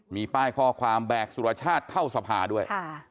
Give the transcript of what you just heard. มีป้ายข้อความแบกสุรชาติเข้าสภาด้วย